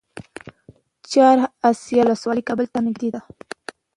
چهار اسیاب ولسوالۍ کابل ته نږدې ده؟